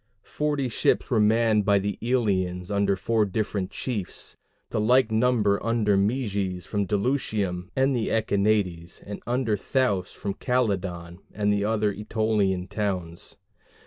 Forty ships were manned by the Elians, under four different chiefs; the like number under Meges from Dulichium and the Echinades, and under Thoas from Calydon and the other Ætolian towns.